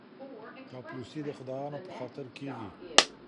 چاپلوسي د خدایانو په خاطر کیږي.